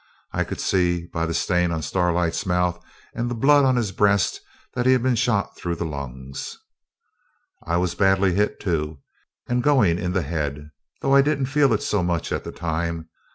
I could see, by the stain on Starlight's mouth and the blood on his breast, he'd been shot through the lungs. I was badly hit too, and going in the head, though I didn't feel it so much at the time.